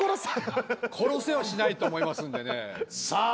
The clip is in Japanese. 殺せはしないと思いますんでねさあ